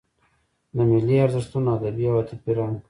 د ملي ارزښتونو ادبي او عاطفي رنګ.